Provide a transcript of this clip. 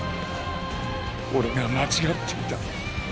俺が間違っていた。